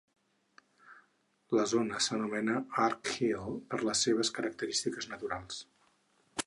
La zona s'anomena Arch Hill per les seves "característiques naturals".